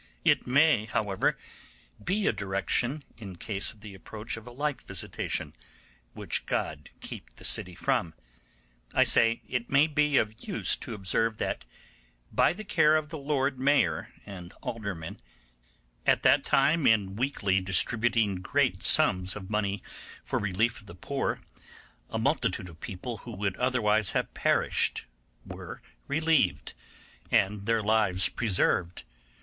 It may, however, be a direction in case of the approach of a like visitation, which God keep the city from;—I say, it may be of use to observe that by the care of the Lord Mayor and aldermen at that time in distributing weekly great sums of money for relief of the poor, a multitude of people who would otherwise have perished, were relieved, and their lives preserved.